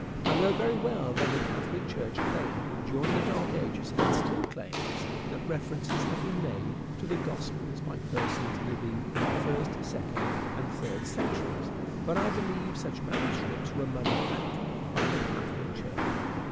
I know very well that the Catholic Church claimed during the Dark Ages, and still claims, that references had been made to the gospels by persons living in the first, second, and third centuries; but I believe such manuscripts were manufactured by the Catholic Church.